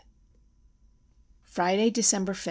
Friday, December 5.